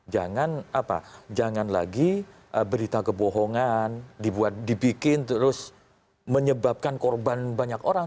jangan lagi berita kebohongan dibuat dibikin terus menyebabkan korban banyak orang